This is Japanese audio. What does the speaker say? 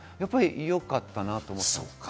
よかったなと思います。